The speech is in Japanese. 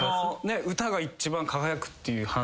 歌が一番輝くっていう話。